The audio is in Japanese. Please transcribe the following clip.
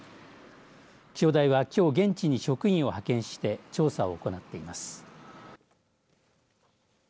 気象台はきょう現地に職員を派遣して調査を行っています。